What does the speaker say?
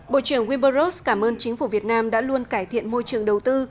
bộ trưởng wimber rose cảm ơn chính phủ việt nam đã luôn cải thiện môi trường đầu tư